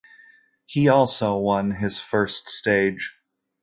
He also won his first stage.